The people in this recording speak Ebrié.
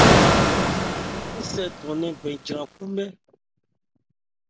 Ńsɛ ndɔn bɛn jran khúbhɛ́.